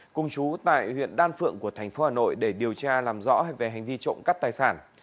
cùng chú tại huyện đan phượng của thành phố hà nội để điều tra làm rõ về hành vi trộm cắp tài sản